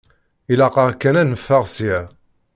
Ilaq-aɣ kan ad neffeɣ ssya.